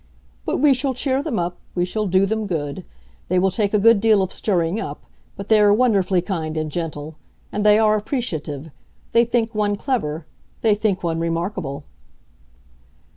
But we shall cheer them up; we shall do them good. They will take a good deal of stirring up; but they are wonderfully kind and gentle. And they are appreciative. They think one clever; they think one remarkable!"